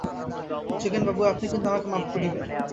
যোগেনবাবু, আপনি কিন্তু আমাকে মাপ করিবেন।